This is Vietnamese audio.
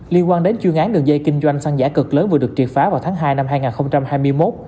liên quan đến chuyên án đường dây kinh doanh xăng giả cực lớn vừa được triệt phá vào tháng hai năm hai nghìn hai mươi một